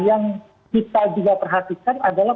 yang kita juga perhatikan adalah